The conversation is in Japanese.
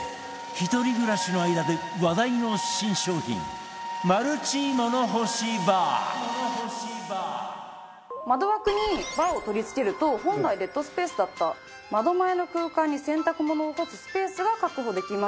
１人暮らしの間で話題の新商品窓枠にバーを取り付けると本来デッドスペースだった窓前の空間に洗濯物を干すスペースが確保できます。